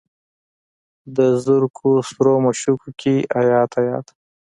د زرکو سرو مشوکو کې ایات، ایات